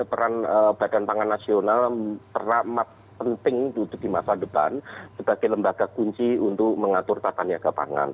jadi peran badan pangan nasional sangat penting di masa depan sebagai lembaga kunci untuk mengatur tatan harga pangan